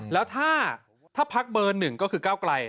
แล้วถ้าพักเบอร์หนึ่งก็คือก้าวไกล